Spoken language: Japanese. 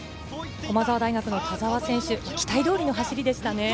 駒澤大学の田澤選手、期待通りの走りでした。